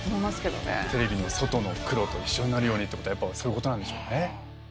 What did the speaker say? テレビの外の黒と一緒になるようにってことはそういうことなんでしょうね。